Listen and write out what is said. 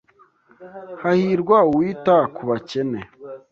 Hahirwa uwita ku bakene